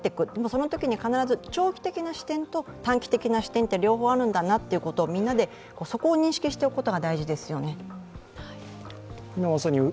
そのときに必ず長期的な視点と短期的な視点の両方があるということをみんなで、そこを認識しておくことが大事ですよね。